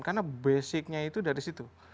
karena basicnya itu dari situ